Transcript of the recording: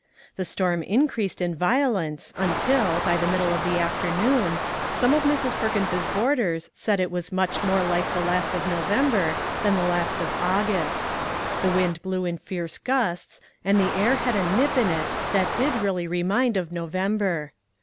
The storm increased in violence until, by the middle of the afternoon, some of Mrs. Perkins's boarders said it was much more like the last of November than the last of August. The wind blew in fierce gusts and the air had a nip in it that did really remind of November.